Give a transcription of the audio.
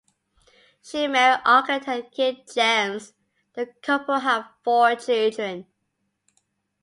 She married architect Keith Gems; the couple had four children.